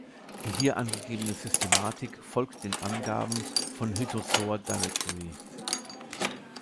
Die hier angegebene Systematik folgt den Angaben des "Hydrozoa Directory".